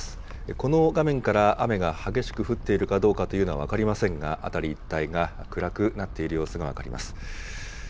この画面から、雨が激しく降っているかどうかは分かりませんが、辺り一帯が暗くなっている様子が分かります。